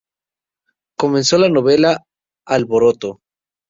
Comenzó la novela "Alboroto".